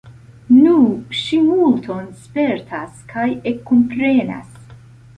Nu, ŝi multon spertas, kaj ekkomprenas.